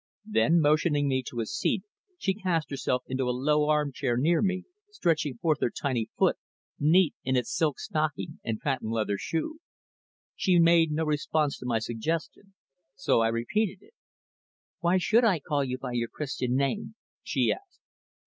Then motioning me to a seat she cast herself into a low armchair near me, stretching forth her tiny foot, neat in its silk stocking and patent leather shoe. She made no response to my suggestion, so I repeated it. "Why should I call you by your Christian name?" she asked.